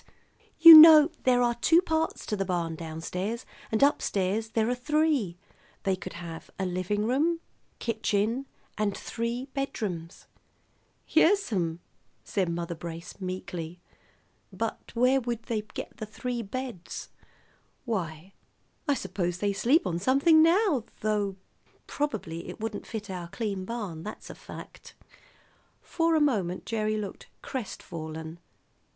You know there are two parts to the barn down stairs, and up stairs there are three. They could have a living room, kitchen, and three bed rooms." [Illustration: "I believe I've hit on the very thing to do."] "Yes'm," said Mother Brace meekly, "but where would they get the three beds?" "Why, I suppose they sleep on something now, though probably it wouldn't fit our clean barn; that's a fact." For a moment Gerry looked crestfallen.